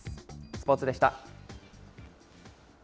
スポーツでした。